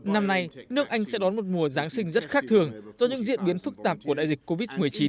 năm nay nước anh sẽ đón một mùa giáng sinh rất khác thường do những diễn biến phức tạp của đại dịch covid một mươi chín